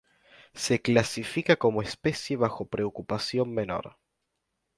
Se clasifica como especie bajo preocupación menor.